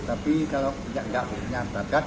tapi kalau tidak punya bagat